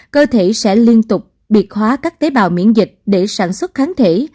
cơ thể sẽ liên tục biệt hóa các tế bào miễn dịch để sản xuất kháng thể